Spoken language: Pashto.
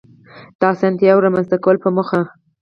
د آسانتیاوو رامنځته کولو په موخه